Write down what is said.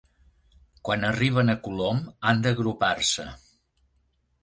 Quan arriben a Colom han d'agrupar-se.